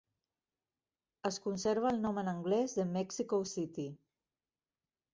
Es conserva el nom en anglès de "Mexico City".